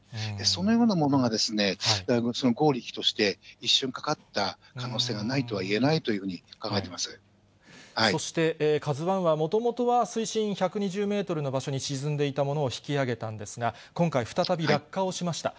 そのようなものが、強力として一瞬かかった可能性がないとはいえないというふうに考そして、ＫＡＺＵＩはもともとは水深１２０メートルの場所に沈んでいたものを引き揚げたんですが、今回、再び落下をしました。